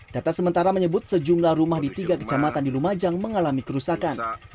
data sementara menyebut sejumlah rumah di tiga kecamatan di lumajang mengalami kerusakan